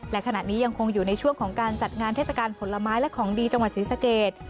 และขณะนี้ยังคงอยู่ในช่วงของการจัดงานเทศกาลผลไม้และของดีจังหวัดศรีสเกต